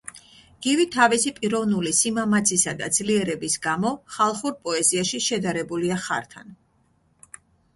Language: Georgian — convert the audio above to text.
გივი თავისი პიროვნული სიმამაცისა და ძლიერების გამო ხალხურ პოეზიაში შედარებულია „ხართან“.